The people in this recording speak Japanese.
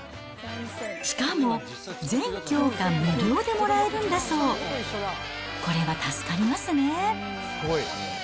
しかも、全教科無料でもらえるんだそう。これは助かりますね。